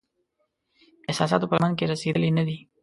د احساساتو په لمن کې رسیدلې نه دی